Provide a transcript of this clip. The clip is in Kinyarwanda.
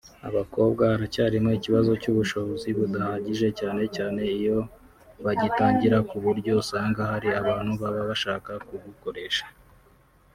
Abakobwa haracyarimo ikibazo cy’ubushobozi budahagije cyane cyane iyo bagitangira ku buryo usanga hari abantu baba bashaka kugukoresha